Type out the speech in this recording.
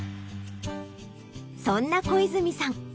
そんな小泉さん